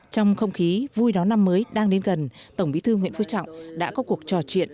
trong không khí vui đón năm mới đang đến gần tổng bí thư nguyễn phú trọng đã có cuộc trò chuyện